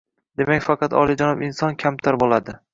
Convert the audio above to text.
Demak, faqat oliyjanob inson kamtar boʻladi.